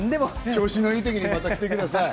調子の良い時にまた来てください。